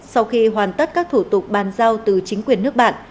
sau khi hoàn tất các thủ tục bàn giao từ chính quyền nước bạn